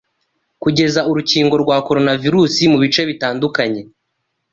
Kugeza urukingo rwa coronavirus mu bice bitandukanye